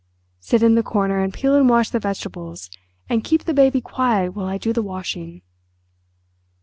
"Sit in the corner, and peel and wash the vegetables, and keep the baby quiet while I do the washing."